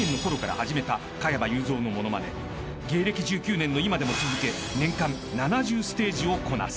［芸歴１９年の今でも続け年間７０ステージをこなす］